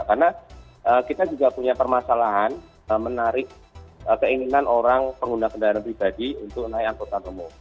karena kita juga punya permasalahan menarik keinginan orang pengguna kendaraan pribadi untuk menaik angkutan umum